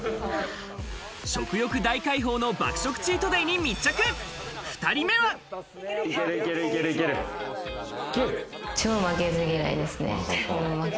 食欲大解放の爆食チートデイ超負けず嫌いですね。